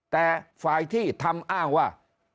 แต่ฝ่ายที่ทำอ้างว่า